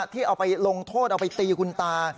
ที่เอาไปลงโทษเอาไปตีคุณตา